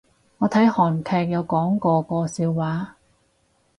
我睇韓劇有講過個笑話